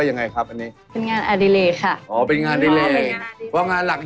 อันนี้เราเรียกว่าอะไรครับ